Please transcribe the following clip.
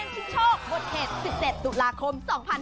แคมเปญชิ้นโชคบทเขต๑๗ตุลาคม๒๕๖๖